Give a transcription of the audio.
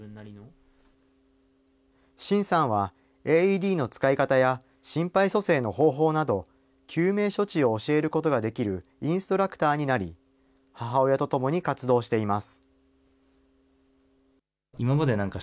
真さんはＡＥＤの使い方や心肺蘇生の方法など、救命処置を教えることができるインストラクターになり、母親と共に活動しています。